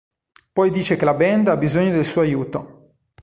Poi dice che la band ha bisogno del suo aiuto.